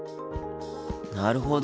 なるほど。